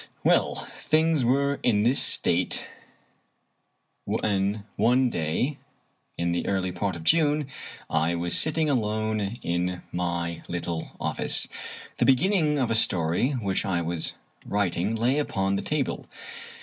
Well, things were in this state when one day, in the early part of June, I was sitting alone in my little office. * The beginning of a story which I was writing lay upon the table.